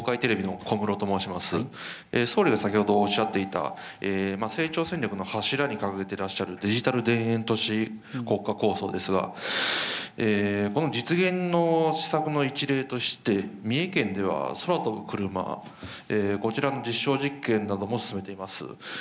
総理が先ほどおっしゃっていた、成長戦略の柱に掲げていらっしゃるデジタル田園都市国家構想ですが、この実現の施策の一例として、三重県では空飛ぶクルマ、こちらの実証実験なども進めています。